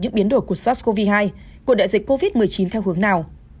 những biến đổi của sars cov hai của đại dịch covid một mươi chín theo hướng nào